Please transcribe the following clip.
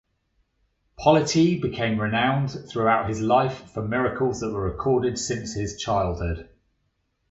Politi became renowned throughout his life for miracles that were recorded since his childhood.